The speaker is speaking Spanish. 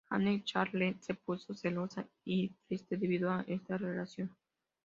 Jane Carlyle se puso celosa y triste debido a esta relación.